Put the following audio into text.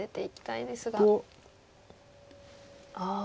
ああ。